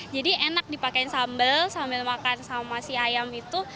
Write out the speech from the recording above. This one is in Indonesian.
jadi enak dipakai sambal sambil makan sama si ayam itu